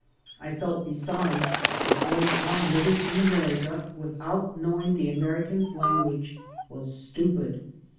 I felt, besides, that going on living in America without knowing the Americanos language was stupid.